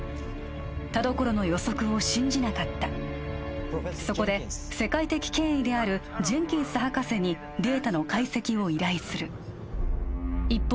田所の予測を信じなかったそこで世界的権威であるジェンキンス博士にデータの解析を依頼する一方